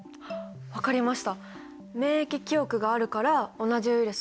分かりました。